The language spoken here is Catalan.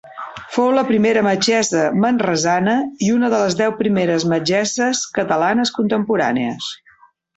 Fou la primera metgessa manresana i una de les deu primeres metgesses catalanes contemporànies.